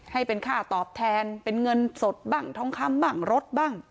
ให้เป็นค่าตอบแทนเป็นเงินสดบ้างทองคำบ้างรถบ้าง